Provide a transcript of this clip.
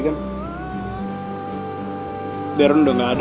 gak peduli lagi sama siapa